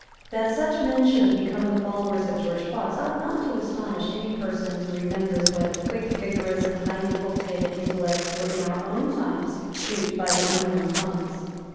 That such men should have become the followers of George Fox ought not to astonish any person who remembers what quick, vigorous and highly cultivated intellects were in our own times duped by the unknown tongues.